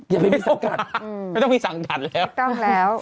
ไม่ต้องมีสังกัดไม่ต้องมีสังกัดแล้ว